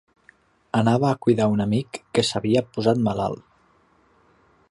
Anava a cuidar a un amic que s'havia posat malalt